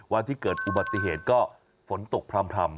วันที่เกิดอุบัติเหตุก็ฝนตกพร่ำ